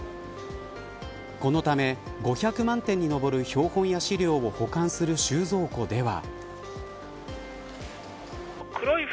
このため、５００万点に上る標本や資料を保管する収蔵庫では。